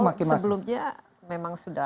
atau sebelumnya memang sudah